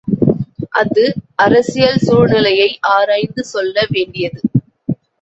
அது, அரசியல் சூழ்நிலையை ஆராய்ந்து சொல்ல வேண்டியது.